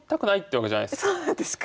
そうなんですか？